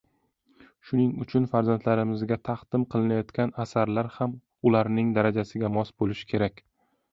Shuning uchun farzandlarimizga taqdim qilinayotgan asarlar ham ularning darajasiga mos bo‘lishi kerak.